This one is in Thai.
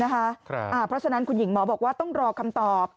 เพราะฉะนั้นคุณหญิงหมอบอกว่าต้องรอคำตอบ